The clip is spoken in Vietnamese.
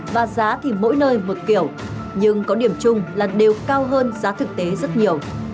và giá thì mỗi nơi một kiểu nhưng có điểm chung là đều cao hơn giá thực tế rất nhiều